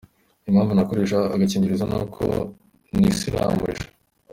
Impamvu ntakoresha agakingirizo ni uko nisiramuje.